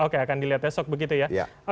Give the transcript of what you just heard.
oke akan dilihat esok begitu ya